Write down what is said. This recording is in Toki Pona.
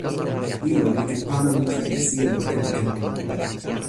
ilo li ken pana lukin e sijelo kepeken ona.